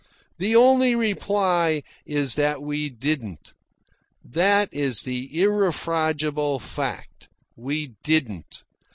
The only reply is that we didn't. That is the irrefragable fact. We didn't.